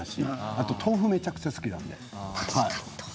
あと豆腐がめちゃくちゃ好きなので。